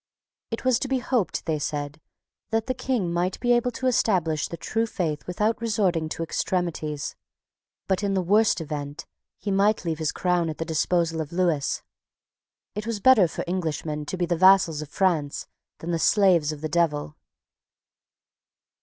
It was to be hoped, they said, that the King might be able to establish the true faith without resorting to extremities; but, in the worst event, he might leave his crown at the disposal of Lewis. It was better for Englishmen to be the vassals of France than the slaves of the Devil.